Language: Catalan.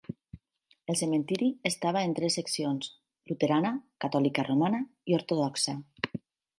El cementiri estava en tres seccions: luterana, catòlica romana, i ortodoxa.